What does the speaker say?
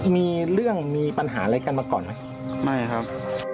มีเรื่องมีปัญหาอะไรกันมาก่อนไหม